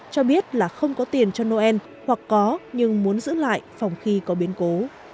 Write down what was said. cho biết là không có tiền cho noel hoặc có nhưng muốn giữ lại phòng khi có biến cố